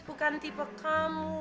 bukan tipe kamu